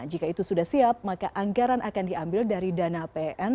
jika itu sudah siap maka anggaran akan diambil dari dana pn